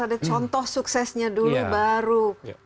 ada contoh suksesnya dulu baru